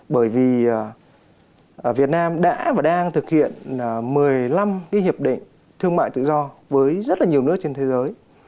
bởi vì việt nam đã và đang thực hiện một mươi năm cái hiệp định thương mại tự do với rất là nhiều nước trên thế giới